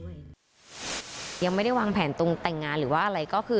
ยังไม่ได้วางแผนตรงแต่งงานหรือว่าอะไรก็คือ